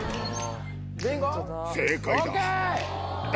正解だ。